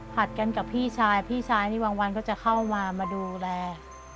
กันกับพี่ชายพี่ชายนี่บางวันก็จะเข้ามามาดูแล